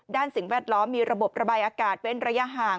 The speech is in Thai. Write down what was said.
สิ่งแวดล้อมมีระบบระบายอากาศเว้นระยะห่าง